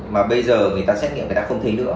mà bây giờ người ta xét nghiệm người ta không thấy nữa